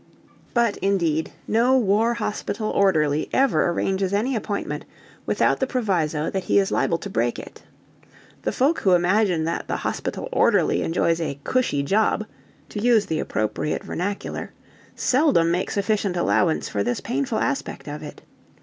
But indeed no war hospital orderly ever arranges any appointment without the proviso that he is liable to break it. The folk who imagine that the hospital orderly enjoys a "cushy job" (to use the appropriate vernacular) seldom make sufficient allowance for this painful aspect of it.